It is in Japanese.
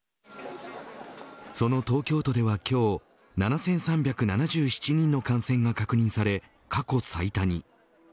その東京都では、今日７３７７人の感染が確認され過去最多に。